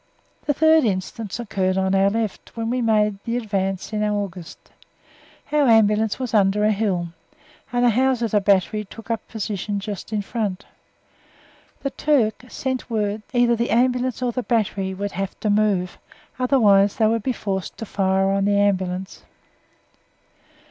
The third instance occurred on our left, when we made the advance in August. Our Ambulance was under a hill, and a howitzer battery took up a position just in front. The Turk sent word that either the Ambulance or the battery would have to move, otherwise they would be forced to fire on the Ambulance.